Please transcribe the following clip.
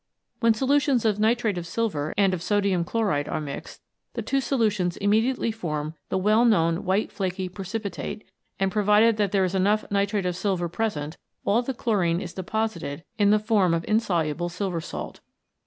When solutions of nitrate of silver and of sodium chloride are mixed, the two solutions immediately form the well known white, flaky precipitate, and, provided that there is enough nitrate of silver present, all the chlorine is deposited in the form of insoluble silver salt.